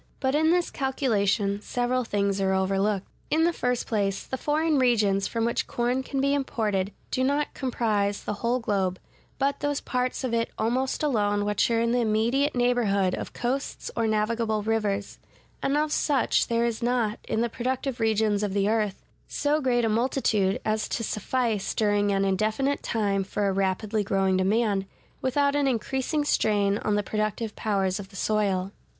But in this calculation several things are overlooked. In the first place, the foreign regions from which corn can be imported do not comprise the whole globe, but those parts of it almost alone which are in the immediate neighborhood of coasts or navigable rivers; and of such there is not, in the productive regions of the earth, so great a multitude as to suffice during an indefinite time for a rapidly growing demand, without an increasing strain on the productive powers of the soil.